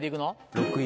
６位。